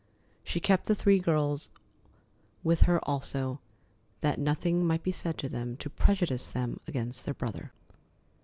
She kept the three girls with her also, that nothing might be said to them to prejudice them against their brother.